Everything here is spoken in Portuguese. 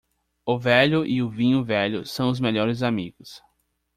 O velho e o vinho velho são os melhores amigos.